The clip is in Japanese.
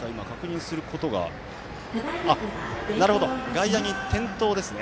外野に点灯ですね。